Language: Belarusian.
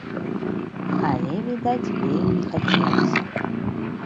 Але, відаць, вельмі хацелася.